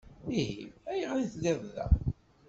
Ihi ayɣer i telliḍ da?